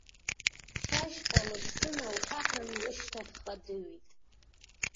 Шьашькәа лыԥсы налхаҳан, лышьҭахьҟа дыҩит.